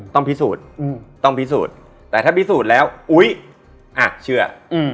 ต้องพิสูจน์ต้องพิสูจน์แต่ถ้าพิสูจน์แล้วอุ๊ยอ่ะเชื่อ